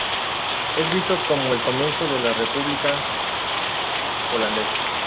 Es visto como el comienzo de la República holandesa.